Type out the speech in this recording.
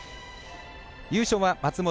優勝は松元。